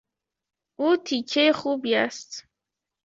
او تیکهی خوبی است.